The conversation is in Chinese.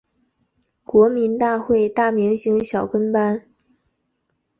国民大会大明星小跟班